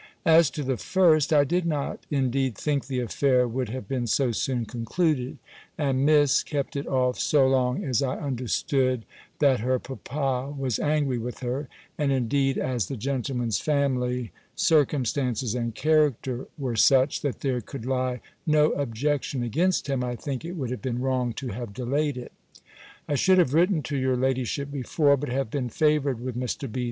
As to the first, I did not indeed think the affair would have been so soon concluded; and Miss kept it off so long, as I understood, that her papa was angry with her: and, indeed, as the gentleman's family, circumstances, and character, were such, that there could lie no objection against him, I think it would have been wrong to have delayed it. I should have written to your ladyship before; but have been favoured with Mr. B.'